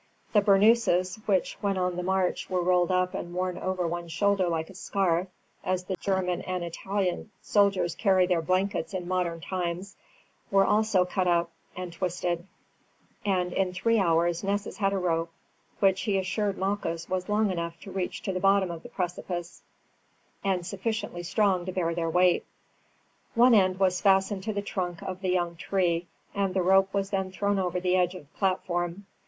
The bernouses which when on the march were rolled up and worn over one shoulder like a scarf, as the German and Italian soldiers carry their blankets in modern times were also cut up and twisted, and in three hours Nessus had a rope which he assured Malchus was long enough to reach to the bottom of the precipice and sufficiently strong to bear their weight. One end was fastened to the trunk of the young tree, and the rope was then thrown over the edge of the platform.